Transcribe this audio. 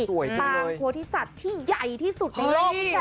ปางโพธิสัตว์ที่ใหญ่ที่สุดในโลกพี่แจ